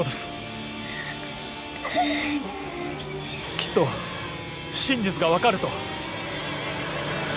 きっと真実が分かると。